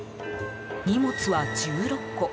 荷物は１６個。